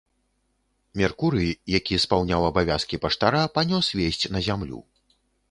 Меркурый, які спаўняў абавязкі паштара, панёс весць на зямлю.